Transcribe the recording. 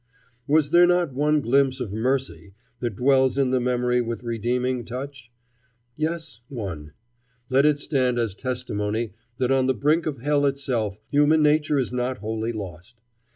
Was there not one glimpse of mercy that dwells in the memory with redeeming touch? Yes, one. Let it stand as testimony that on the brink of hell itself human nature is not wholly lost.